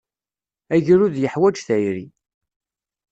Agrud yeḥwaj tayri.